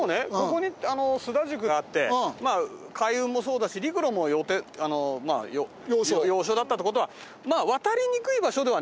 ここに隅田宿があって海運もそうだし陸路も要所だったって事は。